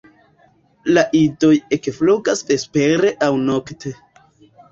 La idoj ekflugas vespere aŭ nokte.